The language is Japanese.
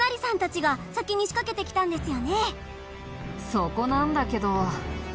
そこなんだけど。